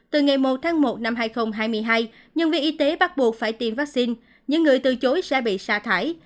từ ngày một tháng một năm hai nghìn hai mươi hai nhân viên y tế bắt buộc phải tiêm vaccine những người từ chối sẽ bị sa thải